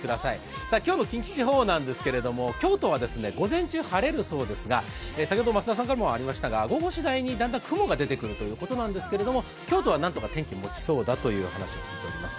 今日の近畿地方なんですが、京都は午前中晴れるそうなんですが、先ほど増田さんからもありましたが、午後しだいにだんだん雲が出てくるということなんですが京都はなんとか天気がもちそうだということを聞いています。